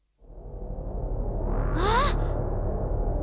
あっ！